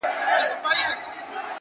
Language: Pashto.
د کړکۍ پر شیشه د لاس نښه ژر ورکه شي!.